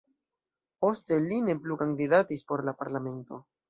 Poste li ne plu kandidatis por la parlamento.